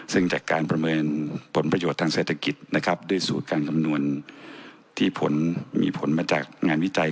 ซึ่งจากการประเมินผลประโยชน์ทางเศรษฐกิจนะครับด้วยสูตรการคำนวณที่ผลมีผลมาจากงานวิจัย